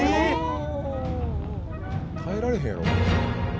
耐えられへんやろ。